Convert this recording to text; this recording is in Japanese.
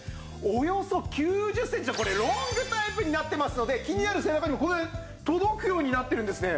およそ９０センチのロングタイプになってますので気になる背中にもこれ届くようになってるんですね。